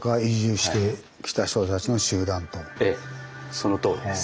そのとおりです。